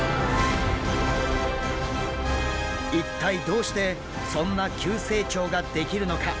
一体どうしてそんな急成長ができるのか？